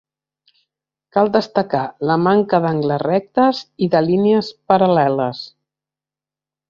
Cal destacar la manca d'angles rectes i de línies paral·leles.